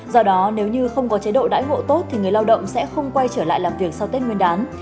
do đó nếu như không có chế độ đãi ngộ tốt thì người lao động sẽ không quay trở lại làm việc sau tết nguyên đán